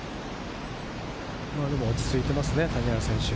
でも落ち着いていますね、谷原選手。